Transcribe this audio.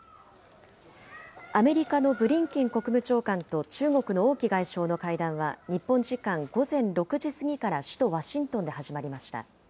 アメリカのブリンケン国務長官と中国の王毅外相の会談は日本時間午前６時過ぎから首都ワシントンで始まりました。